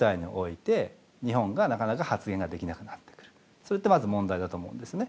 そうしますとそれってまず問題だと思うんですね。